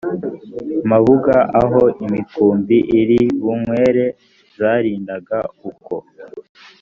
mabuga aho imikumbi iri bunywere zarindaga uko